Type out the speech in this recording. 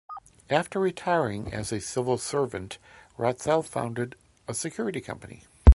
After retiring as a civil servant Ratzel founded a security company.